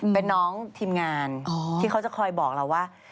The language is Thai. เป็นน้องทีมงานที่เขาจะคอยบอกเราว่า